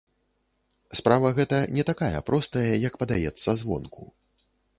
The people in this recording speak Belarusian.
Справа гэта не такая простая, як падаецца звонку.